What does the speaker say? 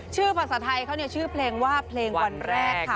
ภาษาไทยเขาชื่อเพลงว่าเพลงวันแรกค่ะ